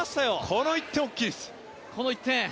この１点は大きいです。